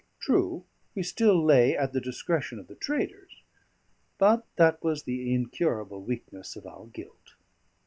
True, we still lay at the discretion of the traders; but that was the incurable weakness of our guilt.